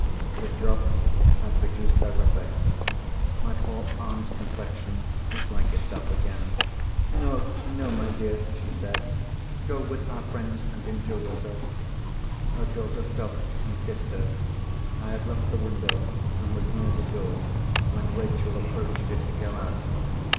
The drops had produced their effect. My poor aunt's complexion was like itself again. "No, no, my dear," she said. "Go with our friends, and enjoy yourself." Her daughter stooped, and kissed her. I had left the window, and was near the door, when Rachel approached it to go out.